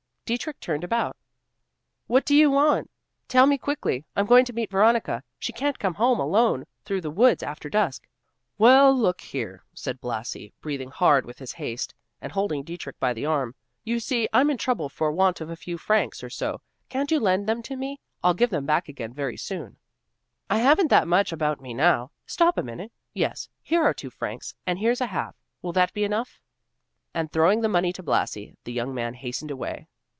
Dietrich turned about. "What do you want? Tell me quickly. I'm going to meet Veronica; she can't come home alone through the woods after dusk." "Well, look here," said Blasi, breathing hard with his haste, and holding Dietrich by the arm. "You see, I'm in trouble for want of a few francs or so. Can't you lend them to me? I'll give them back again very soon." "I haven't that much about me now. Stop a minute yes, here are two francs and here's a half; will that be enough?" and throwing the money to Blasi, the young man hastened away.